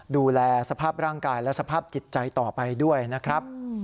ดูแลสภาพร่างกายและสภาพจิตใจต่อไปด้วยนะครับ